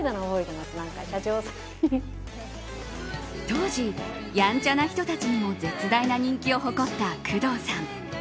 当時、やんちゃな人たちにも絶大な人気を誇った工藤さん。